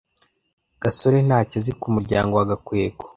gasore ntacyo azi ku muryango wa gakwego